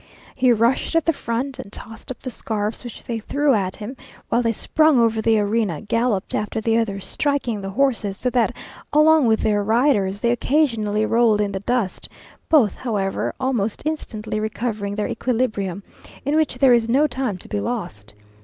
He rushed at the first, and tossed up the scarfs which they threw at him, while they sprung over the arena; galloped after the others, striking the horses, so that along with their riders they occasionally rolled in the dust; both, however, almost instantly recovering their equilibrium, in which there is no time to be lost.